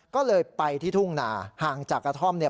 ก็เลยไปที่ทุ่งนาห่างจากกระท่อมเนี่ย